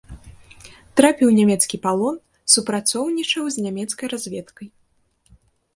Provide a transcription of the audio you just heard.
Трапіў у нямецкі палон, супрацоўнічаў з нямецкай разведкай.